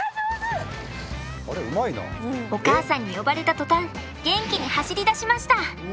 お母さんに呼ばれた途端元気に走りだしました！